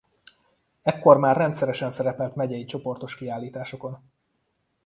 Ekkor már rendszeresen szerepelt megyei csoportos kiállításokon.